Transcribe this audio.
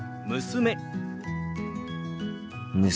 娘。